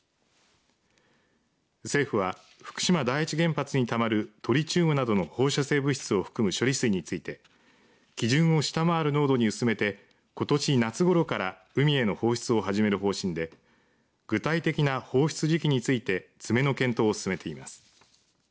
政府は、福島第一原発にたまるトリチウムなどの放射性物質を含む処理水について基準を下回る濃度に薄めてことし夏ごろから海への放出を始める方針で具体的な放出時期について詰めの検討を進めています。